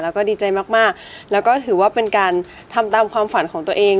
แล้วก็ดีใจมากมากแล้วก็ถือว่าเป็นการทำตามความฝันของตัวเอง